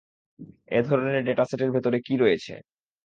এধরনের ডেটাসেটের ভেতরে কি রয়েছে?